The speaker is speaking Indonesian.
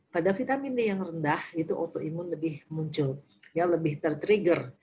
pada vitamin d yang rendah itu autoimun lebih muncul lebih ter trigger